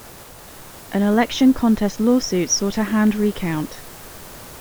An election contest lawsuit sought a hand recount.